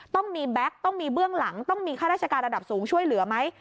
ต้องมีแบ็คต้องมีเบื้องหลังต้องมีข้าราชการระดับสูงช่วยเหลือไหม